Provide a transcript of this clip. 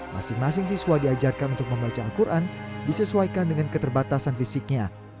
masing masing siswa diajarkan untuk membaca al quran disesuaikan dengan keterbatasan fisiknya